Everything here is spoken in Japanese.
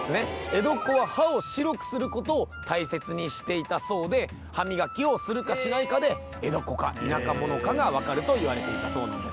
江戸っ子は歯を白くすることを大切にしていたそうで歯磨きをするかしないかで江戸っ子か田舎者かが分かるといわれていたそうなんです。